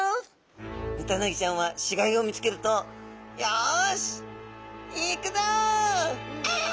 ヌタウナギちゃんは死骸を見つけると「よし行くぞ！ああ」と。